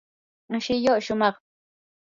shilluu shumaqmi.